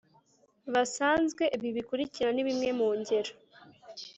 Basanzwe ibi bikurikira ni bimwe mu ngero